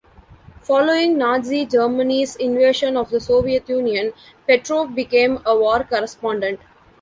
Following Nazi Germany's invasion of the Soviet Union, Petrov became a war correspondent.